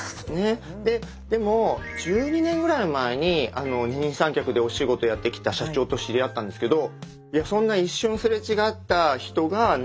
でも１２年ぐらい前に二人三脚でお仕事をやってきた社長と知り合ったんですけど。